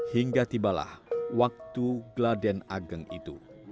hingga tibalah waktu gladen ageng itu